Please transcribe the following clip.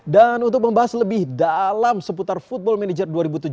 dan untuk membahas lebih dalam seputar football manager dua ribu tujuh belas